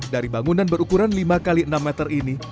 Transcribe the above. dari bangunan berukuran lima x enam meter ini